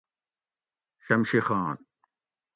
شمشی خان